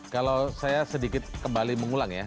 kalau saya sedikit kembali mengulang ya